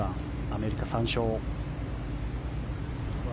アメリカ、３勝。